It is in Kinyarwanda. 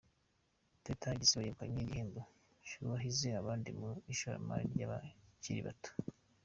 Teta Isibo yegukanye igihembo cy’uwahize abandi mu ishoramari ry’abakiri bato